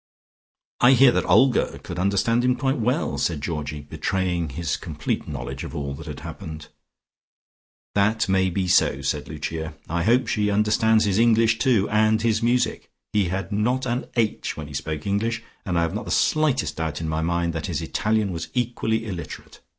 "I hear that Olga could understand him quite well," said Georgie betraying his complete knowledge of all that had happened. "That may be so," said Lucia. "I hope she understood his English too, and his music. He had not an 'h' when he spoke English, and I have not the slightest doubt in my own mind that his Italian was equally illiterate.